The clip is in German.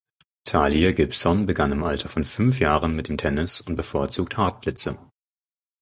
Talia Gibson begann im Alter von fünf Jahren mit dem Tennis und bevorzugt Hartplätze.